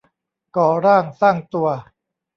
ก่อร่างสร้างตัว